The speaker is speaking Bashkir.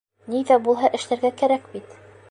Ни ҙә булһа эшләргә кәрәк бит!